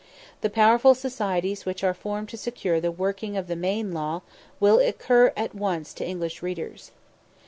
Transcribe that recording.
The powerful societies which are formed to secure the working of the "Maine Law" will occur at once to English readers.